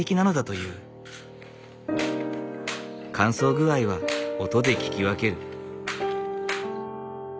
乾燥具合は音で聞き分ける。